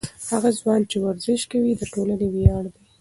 هغه ځوان چې ورزش کوي، د ټولنې ویاړ دی.